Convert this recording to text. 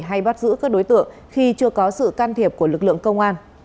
hay bắt giữ các đối tượng khi chưa có sự can thiệp của lực lượng công an